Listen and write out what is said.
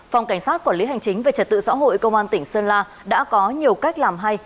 phòng cảnh sát quản lý hành chính về trật tự xã hội công an tỉnh sơn la đã có nhiều cách làm hay